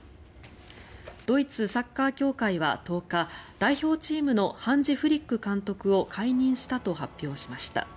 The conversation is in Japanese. ドイツ・サッカー協会は１０日代表チームのハンジ・フリック監督を解任したと発表しました。